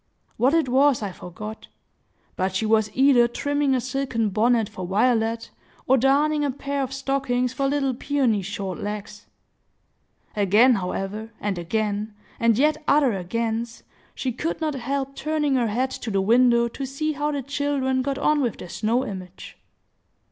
What it was I forget; but she was either trimming a silken bonnet for Violet, or darning a pair of stockings for little Peony's short legs. Again, however, and again, and yet other agains, she could not help turning her head to the window to see how the children got on with their snow image.